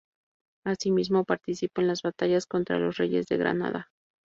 Asimismo, participa en las batallas contra los reyes de Granada.